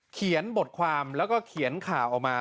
เขียนบทความแล้วก็เขียนข่าวออกมา